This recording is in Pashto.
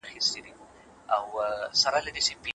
چيري د بخت او هڅي ترمنځ روښانه توپیر لیدل کېږي؟